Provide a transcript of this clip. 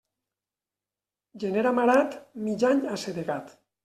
Gener amarat, mig any assedegat.